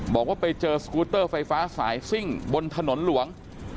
บอกว่าไปเจอสกูเตอร์ไฟฟ้าสายซิ่งบนถนนหลวง